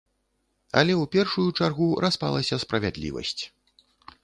Але ў першую чаргу распалася справядлівасць.